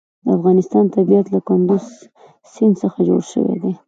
د افغانستان طبیعت له کندز سیند څخه جوړ شوی دی.